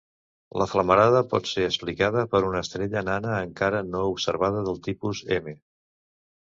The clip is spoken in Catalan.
La flamarada pot ser explicada per una estrella nana encara no observada del tipus M.